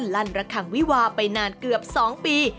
ลั่นระคังวิวาไปนานเกือบ๒ปี